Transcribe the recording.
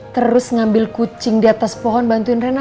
terus ngambil kucing diatas pohon bantuin rena